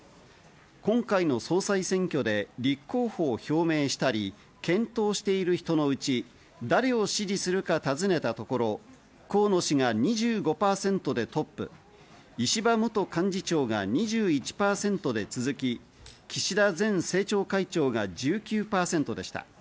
今回の総裁選挙で立候補を表明したり、検討している人のうち、誰を支持するか尋ねたところ河野氏が２５％でトップ、石破元幹事長が２１％で続き、岸田前政調会長が１９％でした。